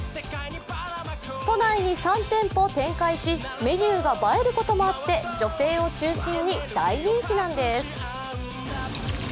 都内に３店舗展開し、メニューが映えることもあって女性を中心に大人気なんです。